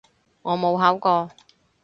我冇考過